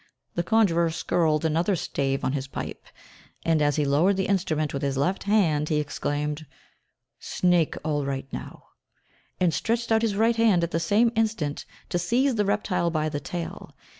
The conjurer skirled another stave on his pipe, and as he lowered the instrument with his left hand, he exclaimed, "Snake all right now," and stretched out his right hand at the same instant, to seize the reptile by the tail.